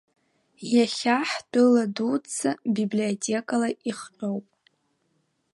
Иахьа ҳтәыла дуӡӡа библиотекала ихҟьоуп.